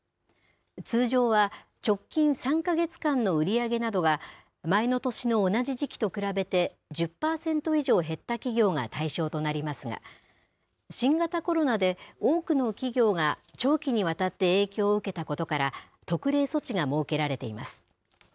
通常は、直近３か月間の売り上げなどが、前の年の同じ時期と比べて、１０％以上減った企業が対象となりますが、新型コロナで多くの企業が長期にわたって影響を受けたことから、特例措置が設けられています。